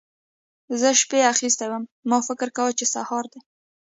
زه شپې اخيستی وم؛ ما فکر کاوو چې سهار دی.